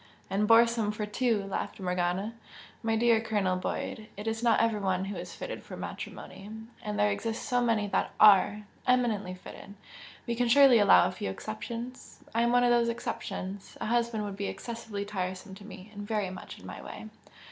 "And boresome for two!" laughed Morgana "My dear Colonel Boyd! It is not every one who is fitted for matrimony and there exist so many that ARE, eminently fitted we can surely allow a few exceptions! I am one of those exceptions. A husband would be excessively tiresome to me, and very much in my way!"